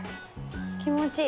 気持ちいい。